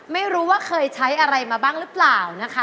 ไม่รู้ว่าเคยใช้อะไรมาบ้างหรือเปล่านะคะ